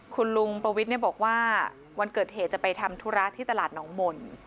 คุณลุงประวิทย์บอกว่าวันเกิดเหตุจะไปทำธุระที่ตลาดหนองมนต์